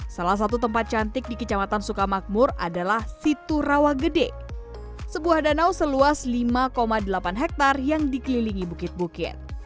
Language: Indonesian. salah satu tempat cantik di kecamatan sukamakmur adalah situ rawa gede sebuah danau seluas lima delapan hektare yang dikelilingi bukit bukit